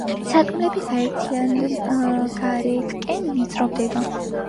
სარკმელები გარეთკენ ვიწროვდება.